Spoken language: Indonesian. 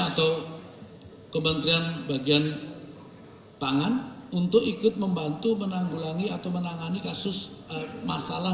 atau kementerian bagian pangan untuk ikut membantu menanggulangi atau menangani kasus masalah